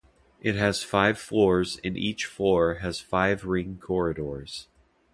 It has five floors and each floor has five ring corridors.